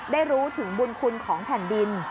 ได้รู้ถึงบุญคุณของแผ่นดิน